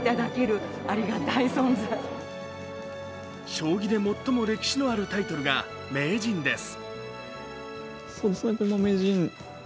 将棋で最も歴史のあるタイトルが名人です。